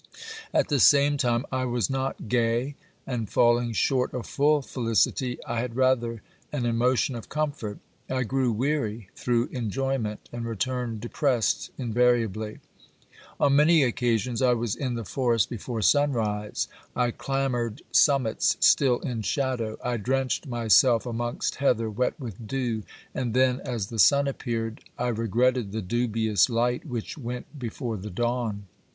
At the same time, I was not gay, and, falling short of full felicity, I had rather an emotion of comfort. I grew weary through enjoyment, and returned depressed invariably. On many occasions I was in the forest before sunrise. I clambered summits still in shadow, I drenched myself amongst heather wet with dew, 52 OBERMANN and then as the sun appeared, I regretted the dubious light which went before the dawn.